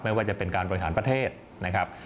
ไม่ว่าจะเป็นการบริหารประเทศนะครับ